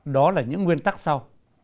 đó là những nguyên tắc sau